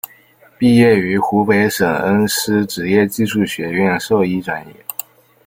毕业于湖北省恩施职业技术学院兽医专业。